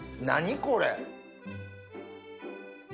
何これ！